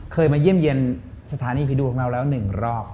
มาเยี่ยมเยี่ยมสถานีผีดุของเราแล้ว๑รอบ